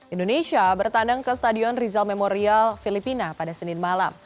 indonesia bertandang ke stadion rizal memorial filipina pada senin malam